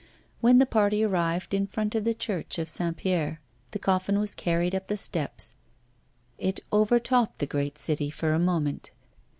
When the party arrived in front of the Church of St. Pierre, and the coffin was carried up the steps, it overtopped the great city for a moment.